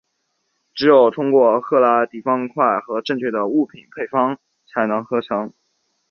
只有通过赫拉迪方块和正确的物品配方才能合成。